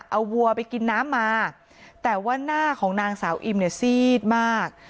เอาวัวไปกินน้ำมาแต่ว่าหน้าของนางสาวอิมเนี่ยซีดมาก